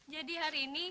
jadi hari ini